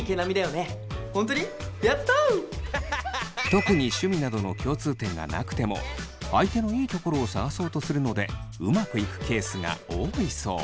特に趣味などの共通点がなくても相手のいいところを探そうとするのでうまくいくケースが多いそう。